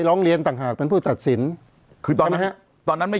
จริงผมไม่อยากสวนนะฮะเพราะถ้าผมสวนเนี่ยมันจะไม่ใช่เรื่องของการทำร้ายร่างกาย